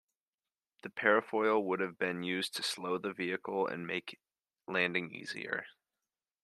The parafoil would have been used to slow the vehicle and make landing easier.